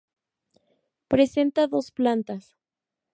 Presenta dos plantas.